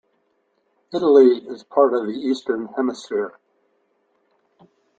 Italy is part of the Eastern Hemisphere.